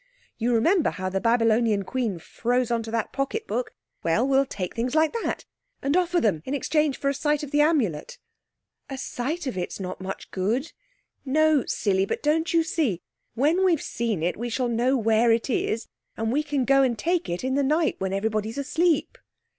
You remember how the Babylonian Queen froze on to that pocket book? Well, we'll take things like that. And offer them in exchange for a sight of the Amulet." "A sight of it is not much good." "No, silly. But, don't you see, when we've seen it we shall know where it is, and we can go and take it in the night when everybody is asleep."